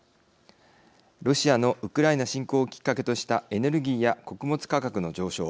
ロシアのウクライナ侵攻をきっかけとしたエネルギーや穀物価格の上昇。